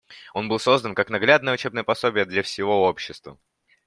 Он был создан как наглядное учебное пособие для всего общества.